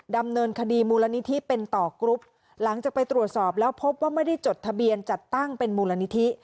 ดำเนินคดีมูลนิธิเป็นต่อกรุ๊ปหลังจากไปตรวจสอบแล้วพบว่าไม่ได้จดทะเบียนจัดตั้งเป็นมูลนิธิ